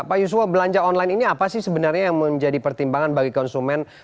pak yusuf belanja online ini apa sih sebenarnya yang menjadi pertimbangan bagi konsumen